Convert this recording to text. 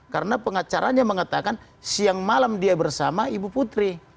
karena pengacaranya mengatakan siang malam dia bersama ibu putri